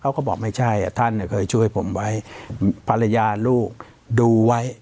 เขาก็บอกไม่ใช่ท่านเคยช่วยผมไว้ภรรยาลูกดูไว้